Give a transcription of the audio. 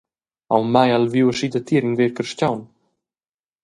Aunc mai ha el viu aschi datier in ver carstgaun.